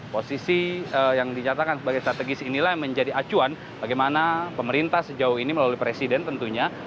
posisi yang dinyatakan sebagai strategis inilah yang menjadi acuan bagaimana pemerintah sejauh ini melalui presiden tentunya